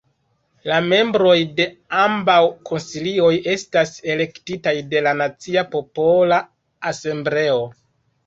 La membroj de ambaŭ konsilioj estas elektitaj de la Nacia Popola Asembleo.